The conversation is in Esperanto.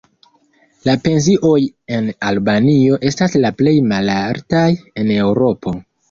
La pensioj en Albanio estas la plej malaltaj en Eŭropo.